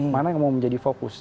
mana yang mau menjadi fokus